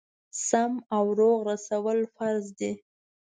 سم او روغ رسول فرض دي.